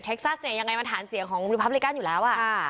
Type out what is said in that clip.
เท็กซัสเนี่ยยังไงมันหาเสียงของรุมภาพอริการอยู่แล้วอ่ะ